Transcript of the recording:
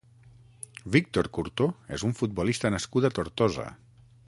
Víctor Curto és un futbolista nascut a Tortosa.